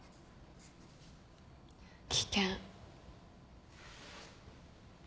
危険。